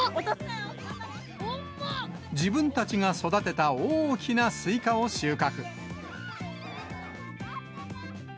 自分たちが育てた大きなスイカを収穫。